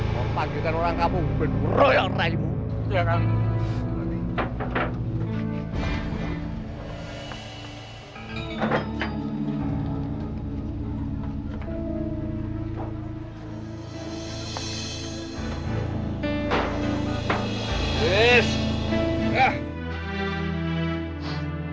mau panggil orang kamu beneran ya orang ini